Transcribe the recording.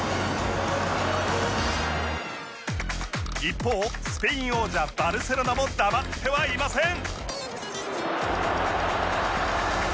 一方スペイン王者バルセロナも黙ってはいません！